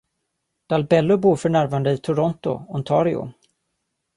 Dalbello bor för närvarande i Toronto, Ontario.